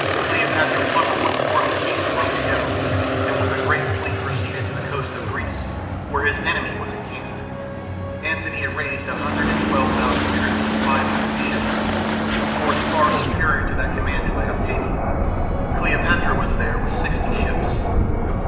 Cleopatra's lover once more became the Roman general, and with a great fleet proceeded to the coast of Greece, where his enemy was encamped. Antony had raised a hundred and twelve thousand troops and five hundred ships a force far superior to that commanded by Octavian. Cleopatra was there with sixty ships.